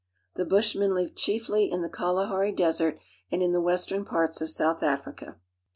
The Bush I )nen live chiefly in the Kalahari Desert and in the western I parts of South Africa.